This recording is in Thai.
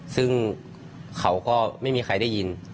ซึ่งเขาก็ไม่มีใครได้ยิน